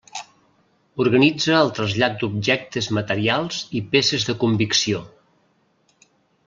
Organitza el trasllat d'objectes materials i peces de convicció.